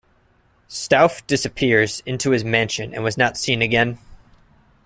Stauf disappears into his mansion and was not seen again.